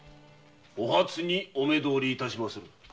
お初にお目通り致しまする。